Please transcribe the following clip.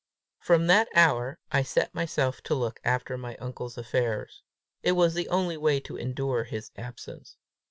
From that hour I set myself to look after my uncle's affairs. It was the only way to endure his absence.